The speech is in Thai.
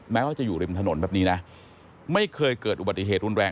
แม้ว่าจะอยู่ริมถนนแบบนี้นะไม่เคยเกิดอุบัติเหตุรุนแรง